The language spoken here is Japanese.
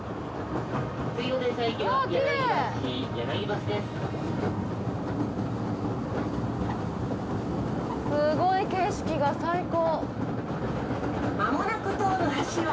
すごい景色が最高。